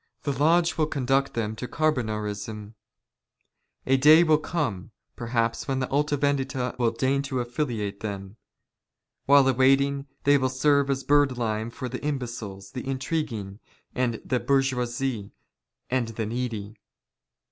The lodge will conduct them to Car " bonarism. A day will come, perhaps, when the Alta Vendita " will deign to affiliate them. While awaiting they will serve as " birdlime for the imbeciles, the intriguing, the bourgeoisie, and " the needy.